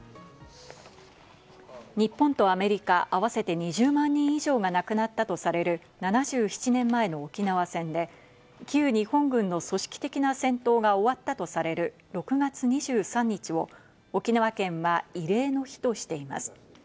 日本とアメリカ合わせて２０万人以上が亡くなったとされる７７年前の沖縄戦で、旧日本軍の組織的な戦闘が終わったとされる６月２３日を沖縄県は慰霊の日としています。